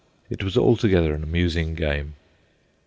It was altogether an amusing game.